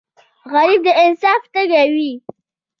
غریب د انصاف تږی وي